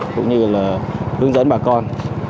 cũng như là hướng dẫn bà con